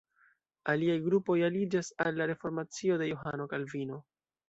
Aliaj grupoj aliĝas al la reformacio de Johano Kalvino.